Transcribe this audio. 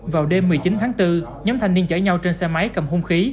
vào đêm một mươi chín tháng bốn nhóm thanh niên chở nhau trên xe máy cầm hung khí